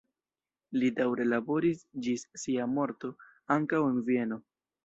Li daŭre laboris ĝis sia morto ankaŭ en Vieno.